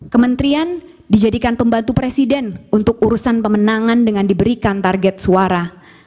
kementerian dijadikan pembantu presiden untuk urusan pemenangan dengan diberikan target suara